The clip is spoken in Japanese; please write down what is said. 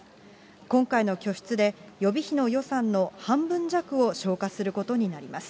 今回の拠出で、予備費の予算の半分弱を消化することになります。